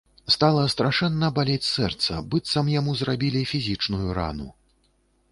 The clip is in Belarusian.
Стала страшэнна балець сэрца, быццам яму зрабілі фізічную рану.